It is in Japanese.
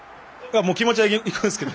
気持ちはいくんですけど。